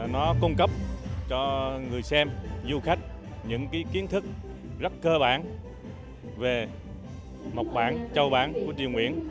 nó cung cấp cho người xem du khách những kiến thức rất cơ bản về mộc bản châu bản của triều nguyễn